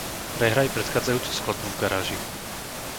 Prehraj predchádzajúcu skladbu v garáži.